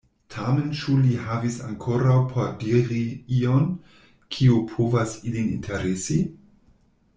Tamen ĉu li havis ankoraŭ por diri ion, kio povas ilin interesi?